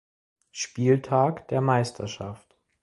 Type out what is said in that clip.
Spieltag der Meisterschaft.